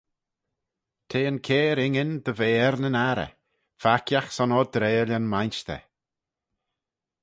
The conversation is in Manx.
T'eh yn cair ainyn dy ve er nyn arrey, farkiagh son ordrail yn Mainshter.